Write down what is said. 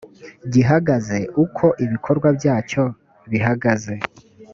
gihagaze uko ibikorwa byacyo bihagaze